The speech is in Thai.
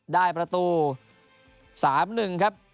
ได้ประตู๓๑ครับ